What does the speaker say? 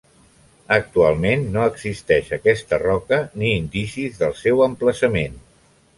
Actualment no existeix aquesta roca ni indicis del seu emplaçament.